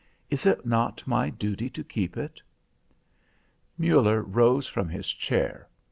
Is it not my duty to keep it?" Muller rose from his chair.